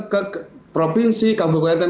ke provinsi kabupaten